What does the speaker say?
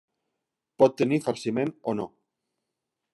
Pot tenir farciment o no.